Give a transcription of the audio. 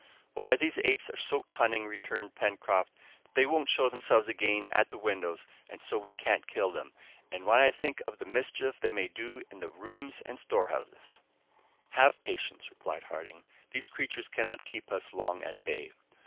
"Why, these apes are so cunning," returned Pencroft, "they won't show themselves again at the windows and so we can't kill them, and when I think of the mischief they may do in the rooms and storehouse " "Have patience," replied Harding; "these creatures cannot keep us long at bay."